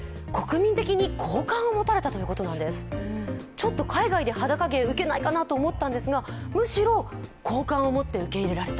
ちょっと海外で裸芸ウケないかなと思ったんですが、むしろ、好感を持って受け入れられた。